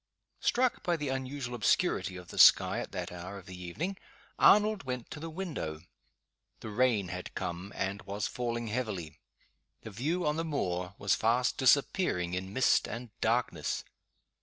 Struck by the unusual obscurity of the sky at that hour of the evening, Arnold went to the window. The rain had come and was falling heavily. The view on the moor was fast disappearing in mist and darkness.